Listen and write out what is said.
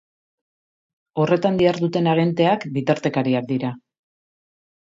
Horretan diharduten agenteak bitartekariak dira.